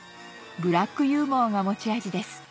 ブラックユーモアが持ち味です